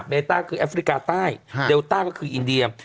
ต้าคือแอฟริกาใต้เดลต้าก็คืออินเดีย